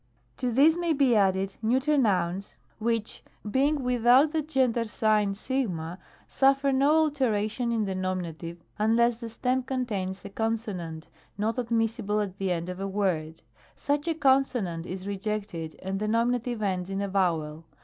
To these may be added neuter nouns, which, be ing without the gender sign t?, suffer no alteration in the Nom., unless the stem contains a consonant not §17. THIRD DECLENSION. 35 admissible at the end of a word. Such a consonant is rejected and the Nom. ends in a vowel.